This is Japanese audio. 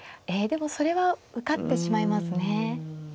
えでもそれは受かってしまいますね。